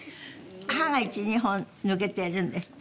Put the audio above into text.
歯が１２本抜けてるんですって？